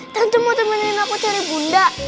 tante mau temenin aku cari bunda